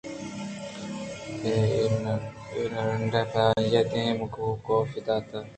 اے نُرنڈگ ءَ پد آئیءَ دیم گوں کاف ءَ دات